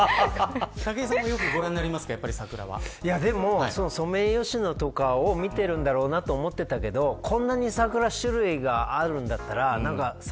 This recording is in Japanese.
武井さんは、桜はご覧でも、ソメイヨシノとかを見てるんだろうなと思ってたけどこんなに桜の種類があるんだったら桜